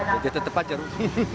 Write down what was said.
jadi tetap acaruh